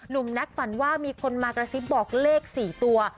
แน็กฝันว่ามีคนมากระซิบบอกเลข๔ตัว